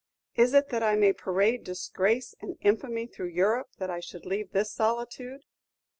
Is it that I may parade disgrace and infamy through Europe that I should leave this solitude?"